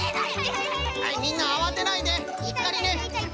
はいみんなあわてないで。しっかりね。